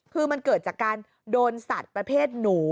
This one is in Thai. คือมันเกิดจากการโดนสัตว์ประเภทหนู